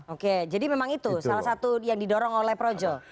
oke jadi memang itu salah satu yang didorong oleh projo